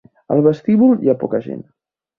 Al vestíbul hi ha poca gent.